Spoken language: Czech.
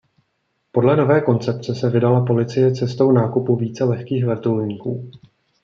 Podle nové koncepce se vydala policie cestou nákupu více lehkých vrtulníků.